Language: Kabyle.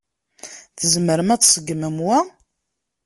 Tzemrem ad tseggmem wa?